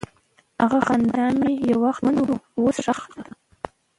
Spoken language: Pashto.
هغه خندا چې یو وخت ژوند وه، اوس ښخ ده.